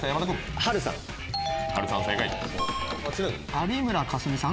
有村架純さん。